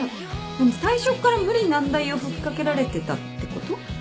最初から無理難題を吹っ掛けられてたってこと？